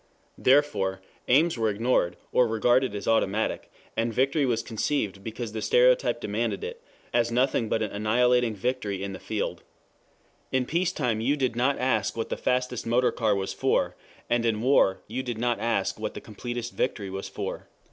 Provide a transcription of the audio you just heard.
Therefore, aims were ignored, or regarded as automatic, and victory was conceived, because the stereotype demanded it, as nothing but an annihilating victory in the field. In peace time you did not ask what the fastest motor car was for, and in war you did not ask what the completest victory was for.